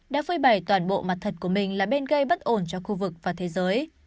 đã phơi bầy toàn bộ mặt thật của mình là bên gây bất ổn cho khu vực và thế giới